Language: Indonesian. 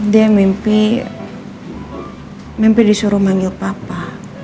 dia mimpi mimpi disuruh manggil papa